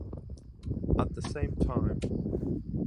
At the same time.